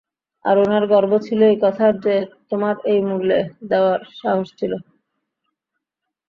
আর উনার গর্ব ছিল এই কথার যে তোমার এই মূল্যে দেওয়ার সাহস ছিল।